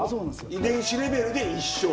遺伝子レベルで一緒。